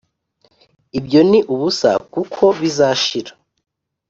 Ibyo ni ubusa kuko bizashira